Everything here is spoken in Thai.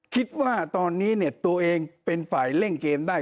คิดว่าตอนนี้เนี่ยตัวเองเป็นฝ่ายเล่นเกมได้